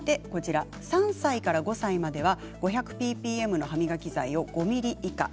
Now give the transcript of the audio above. ３歳から５歳までは５００ｐｐｍの歯磨き剤を５ｍｍ以下。